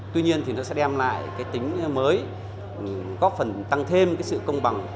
tuy nhiên thì nó sẽ đem lại cái tính mới có phần tăng thêm sự công bằng